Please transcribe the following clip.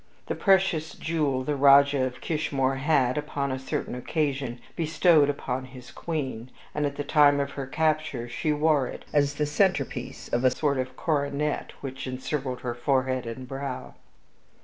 This precious jewel the Rajah of Kishmoor had, upon a certain occasion, bestowed upon his Queen, and at the time of her capture she wore it as the centerpiece of a sort of coronet which encircled her forehead and brow.